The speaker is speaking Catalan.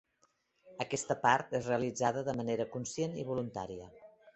Aquesta part és realitzada de manera conscient i voluntària.